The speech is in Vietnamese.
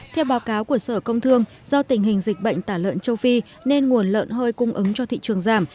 theo báo cáo của sở công thương do tình hình dịch bệnh tả lợn châu phi nên nguồn lợn hơi cung ứng cho thị trường giảm